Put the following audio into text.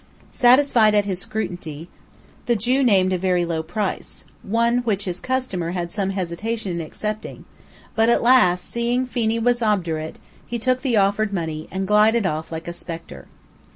Satisfied at his scrutiny, the Jew named a very low price, one which his customer had some hesitation in accepting; but at last, seeing Phenee was obdurate, he took the offered money, and glided off like a spectre.